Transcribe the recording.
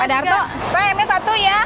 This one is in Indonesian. pak darto saya ini satu ya